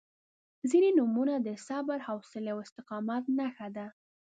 • ځینې نومونه د صبر، حوصلې او استقامت نښه ده.